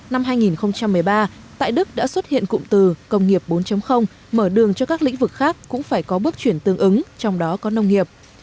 năm hai nghìn một mươi ba tại đức đã xuất hiện cụm từ công nghiệp bốn mở đường cho các lĩnh vực khác cũng phải có bước chuyển tương ứng trong đó có nông nghiệp